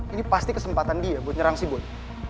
ini pasti kesempatan dia buat nyerang si boy